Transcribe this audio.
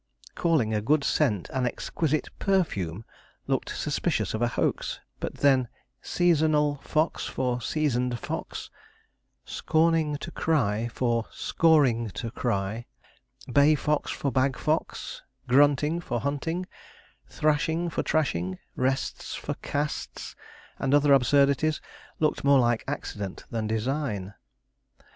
Calling a good scent an exquisite perfume looked suspicious of a hoax, but then seasonal fox for seasoned fox, scorning to cry for scoring to cry, bay fox for bag fox, grunting for hunting, thrashing for trashing, rests for casts, and other absurdities, looked more like accident than design.